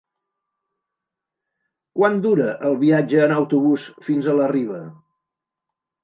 Quant dura el viatge en autobús fins a la Riba?